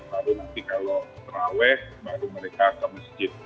baru nanti kalau terawih baru mereka ke masjid